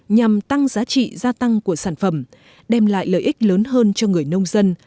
nhằm tăng giá trị gia tăng của sản phẩm đem lại lợi ích lớn hơn cho người nông dân